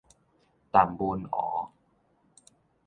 淡文湖